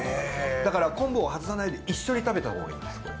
だから昆布を外さないで一緒に食べたほうがいいです。